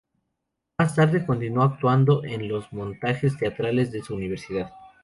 Más tarde continuó actuando en los montajes teatrales de su universidad.